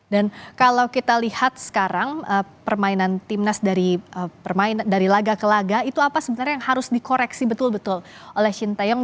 dan kalau kita lihat sekarang permainan timnas dari laga ke laga itu apa sebenarnya yang harus dikoreksi betul betul oleh shinta young